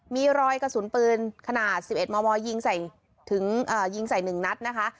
มีรอยกระสุนปืนขนาดสิบเอ็ดมอมอมยิงใส่ถึงเอ่อยิงใส่หนึ่งนัดนะคะ